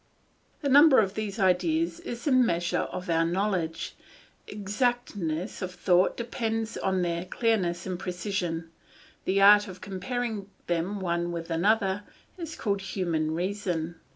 The number of these ideas is the measure of our knowledge; exactness of thought depends on their clearness and precision; the art of comparing them one with another is called human reason.